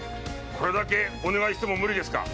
これだけお願いしても無理ですか？